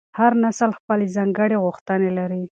هر نسل خپلې ځانګړې غوښتنې لري.